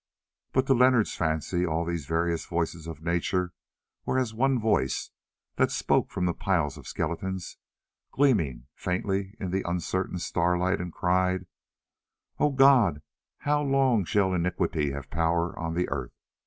But to Leonard's fancy all these various voices of nature were as one voice that spoke from the piles of skeletons gleaming faintly in the uncertain starlight and cried, "Oh! God, how long shall iniquity have power on the earth?